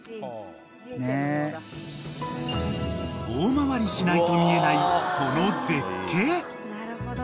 ［遠回りしないと見えないこの絶景］